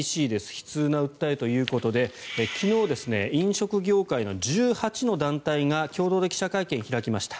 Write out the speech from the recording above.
悲痛な訴えということで昨日、飲食業界の１８の団体が共同で記者会見を開きました。